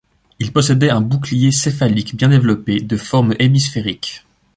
Il possédait un bouclier céphalique bien développé, de forme hémisphérique.